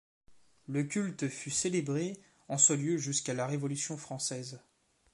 Le culte fut célébré en ce lieu jusqu’à la Révolution française.